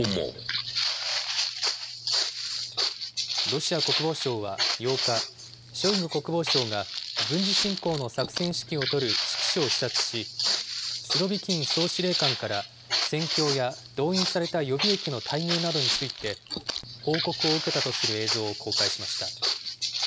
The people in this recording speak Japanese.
ロシア国防省は８日、ショイグ国防相が軍事侵攻の作戦指揮を執る指揮所を視察し、スロビキン総司令官から戦況や動員された予備役の待遇などについて、報告を受けたとする映像を公開しました。